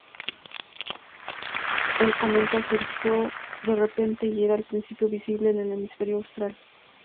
El cometa surgió de repente, y era al principio visible en el hemisferio austral.